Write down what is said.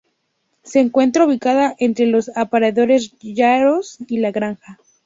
Se encuentra ubicada entre los apeaderos Yaros y La Granja.